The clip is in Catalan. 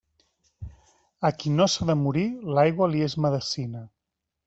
A qui no s'ha de morir, l'aigua li és medecina.